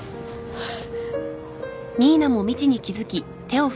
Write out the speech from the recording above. はい？